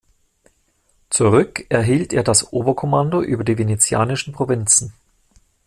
Zurück erhielt er das Oberkommando über die venetianischen Provinzen.